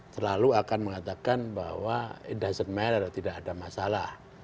selalu akan mengatakan bahwa it doesn't matter tidak ada masalah